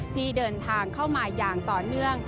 ที่เดินทางเข้ามาอย่างต่อเนื่อง